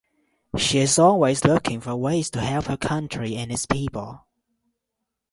She is always looking for ways to help her country and its people.